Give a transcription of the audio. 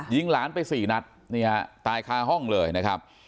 ยิงหลานไป๔นัดตายข้างห้องเลยนะครับ